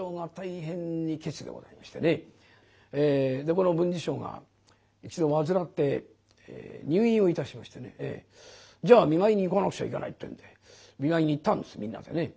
この文治師匠が一度患って入院をいたしましてねじゃあ見舞いに行かなくちゃいけないってんで見舞いに行ったんですみんなでね。